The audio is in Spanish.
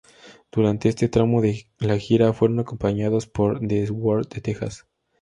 Durante este tramo de la gira, fueron acompañados por The Sword de Texas.